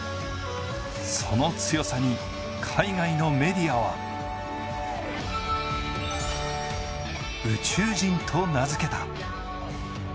その強さに、海外のメディアは宇宙人と名付けた。